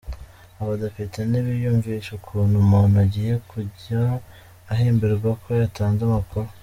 Abadepite ntibiyumvisha ukuntu umuntu agiye kujya ahemberwa ko yatanze amakuru.